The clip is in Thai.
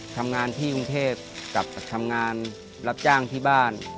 ทำงานที่กรุงเทพกลับจากทำงานรับจ้างที่บ้าน